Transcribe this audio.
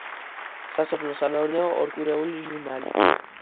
სასოფლო-სამეურნეო ორკვირეული ჟურნალი.